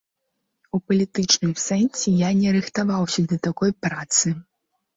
А ў палітычным сэнсе я не рыхтаваўся да такой працы.